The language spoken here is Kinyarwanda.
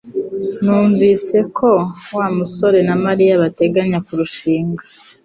Numvise ko Wa musore na Mariya bateganya kurushinga